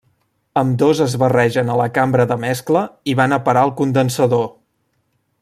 Ambdós es barregen a la cambra de mescla i van a parar al condensador.